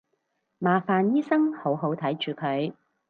麻煩醫生好好睇住佢